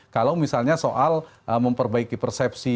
kalau misalnya soal memperbaiki persepsi